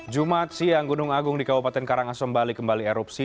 jumat siang gunung agung di kabupaten karangasembali kembali erupsi